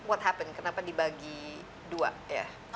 apa yang terjadi kenapa dibagi dua ya